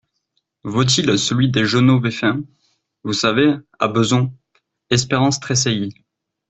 Vaut-il celui des Génovéfains ? Vous savez … à Bezons ? Espérance tressaillit.